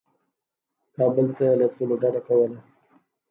کابل ته له تللو ډده کوله.